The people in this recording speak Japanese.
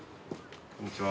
こんにちは。